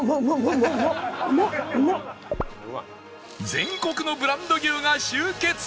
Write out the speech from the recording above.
全国のブランド牛が集結！